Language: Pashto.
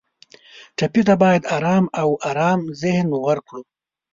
ټپي ته باید آرام او ارام ذهن ورکړو.